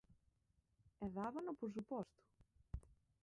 E dábano por suposto!